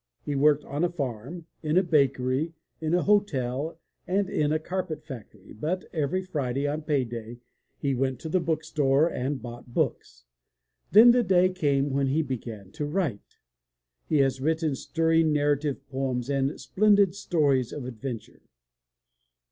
He worked on a farm, in a bakery, in a hotel, and in a carpet factory, but every Friday on pay day he went to the book store and bought books. Then the day came when he began to write. He has written stir ring narrative poems and splendid stories of adventure.